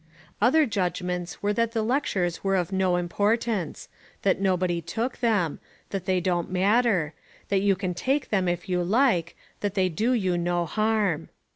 Other judgments were that the lectures were of no importance: that nobody took them: that they don't matter: that you can take them if you like: that they do you no harm.